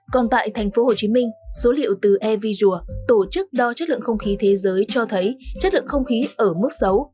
còn tại thành phố hồ chí minh số liệu từ airvisual tổ chức đo chất lượng không khí thế giới cho thấy chất lượng không khí ở mức xấu